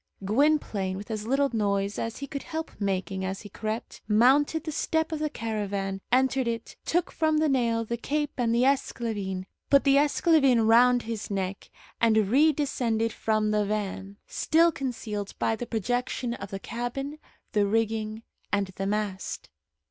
Gwynplaine, with as little noise as he could help making as he crept, mounted the step of the caravan, entered it, took from the nail the cape and the esclavine, put the esclavine round his neck, and redescended from the van, still concealed by the projection of the cabin, the rigging, and the mast.